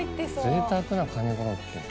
ぜいたくなカニコロッケ。